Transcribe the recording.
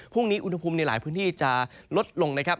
พรุ่งนี้อุณหภูมิในหลายพื้นที่จะลดลงนะครับ